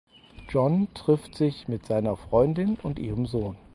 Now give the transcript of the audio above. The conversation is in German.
Jon trifft sich mit seiner Freundin und ihrem Sohn.